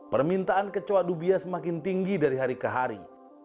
permintaan kecoa dubia semakin tinggi dari hari ke hari